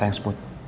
terima kasih put